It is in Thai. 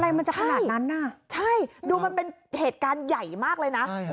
มันจะขนาดนั้นน่ะใช่ดูมันเป็นเหตุการณ์ใหญ่มากเลยนะ